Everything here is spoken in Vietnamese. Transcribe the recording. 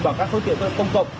vào các phương tiện công cộng